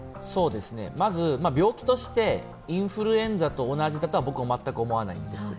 まず、病気としてインフルエンザと同じだとは全く思わないです。